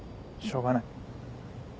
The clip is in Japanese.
しょうがない。